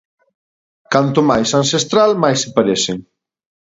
Canto máis ancestral, máis se parecen.